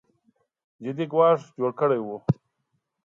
جدي ګواښ جوړ کړی و